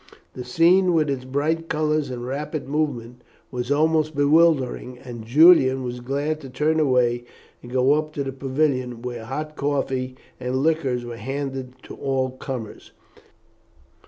The scene, with its bright colours and rapid movement, was almost bewildering, and Julian was glad to turn away and go up to the pavilion, where hot coffee and liquors were handed to all comers.